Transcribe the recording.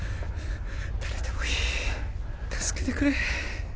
誰でもいい助けてくれ